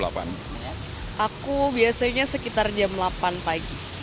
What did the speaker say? aku biasanya sekitar jam delapan pagi